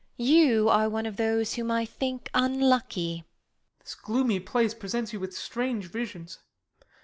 You are one of those whom I think unlucky. Ben. This gloomy place presents you with strange visions.